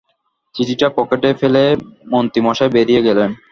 চিঠিটা পকেটে ফেলে মন্ত্রীমশাই বেরিয়ে গেলেন।